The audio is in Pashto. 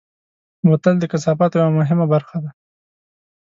بوتل د کثافاتو یوه مهمه برخه ده.